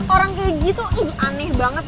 orang kayak gitu aneh banget